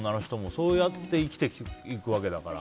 そうやって生きていくわけだから。